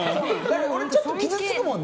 俺ちょっと傷つくもんね。